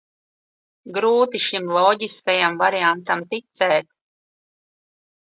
Grūti šim loģiskajam variantam ticēt.